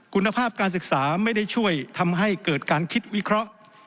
คุณภาพการศึกษาไม่ได้ช่วยทำให้เกิดการคิดวิเคราะห์